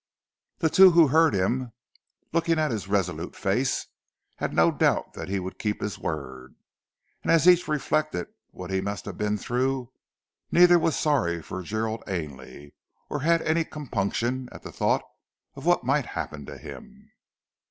The two who heard him, looking at his resolute face, had no doubt that he would keep his word, and as each reflected what he must have been through, neither was sorry for Gerald Ainley or had any compunction at the thought of what might happen to him.